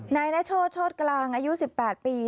นายนโชธโชธกลางอายุ๑๘ปี